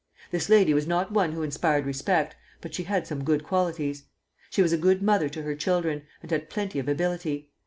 This lady was not one who inspired respect, but she had some good qualities. She was a good mother to her children, and had plenty of ability.